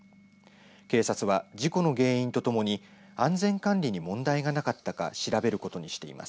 警察は、事故の原因とともに安全管理に問題がなかったか調べることにしています。